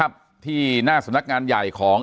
อย่างที่บอกไปว่าเรายังยึดในเรื่องของข้อ